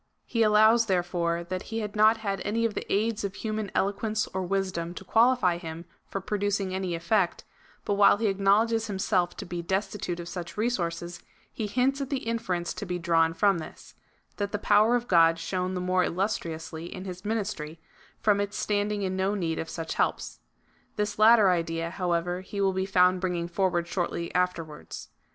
He allows therefore that he had not had any of the aids of hu man eloquence or wisdom to qualify liim for producing any effect, but while he acknowledges himself to be destitute of such resources, he hints at the inference to be drawn from this — that the power of God shone the more illustriously in his ministry, from its standing in no need of such helps. This latter idea, however, he will be found bringing forward shortly afterwards.